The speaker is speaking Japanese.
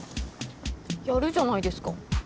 やるじゃないですか。